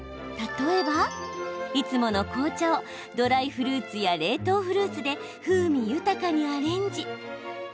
例えば、いつもの紅茶をドライフルーツや冷凍フルーツで風味豊かにアレンジ。